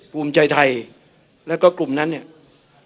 ภูมิใจไทยแล้วก็กลุ่มนั้นเนี่ย